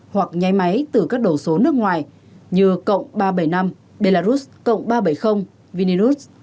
hoặc nháy máy từ các đầu số nước ngoài như cộng ba trăm bảy mươi năm belarus cộng ba trăm bảy mươi vinirut